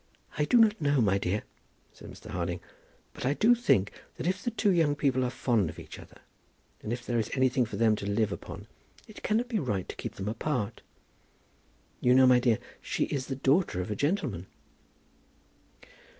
"I do not know, my dear," said Mr. Harding; "but I do think, that if the two young people are fond of each other, and if there is anything for them to live upon, it cannot be right to keep them apart. You know, my dear, she is the daughter of a gentleman."